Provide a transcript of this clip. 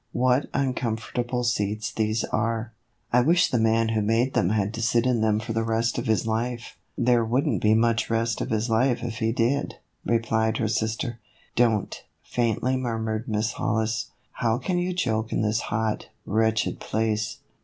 What uncomfortable seats these are. I wish the man who made them had to sit in them for the rest of his life." " There would n't be much rest of his life if he did," replied her sister. " Don't," faintly murmured Miss Hollis. " How can you joke in this hot, wretched place